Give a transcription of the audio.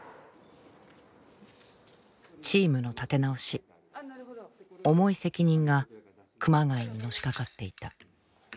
チームの立て直し重い責任が熊谷にのしかかっていた。